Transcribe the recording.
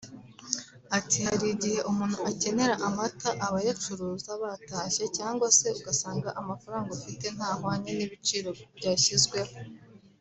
Ati “ Hari igihe umuntu akenera amata abayacuruza batashye cyangwa se ugasanga amafaranga ufite ntahwanye n’ibiciro byashyizweho